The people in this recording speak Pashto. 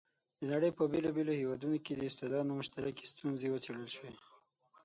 د نړۍ په بېلابېلو هېوادونو کې د استادانو مشترکې ستونزې وڅېړل شوې.